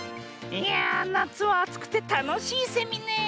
いやあなつはあつくてたのしいセミねえ。